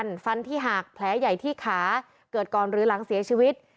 ฟันฟันที่หากแผลใหญ่ที่ขาเกิดก่อนหรือหลังเสียชีวิต